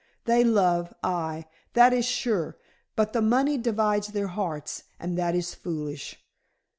They love aye, that is sure but the money divides their hearts, and that is foolish.